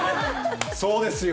そうですよ。